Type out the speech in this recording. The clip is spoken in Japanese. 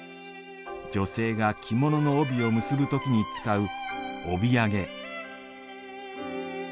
女性が着物の帯を結ぶときに使う帯揚げ。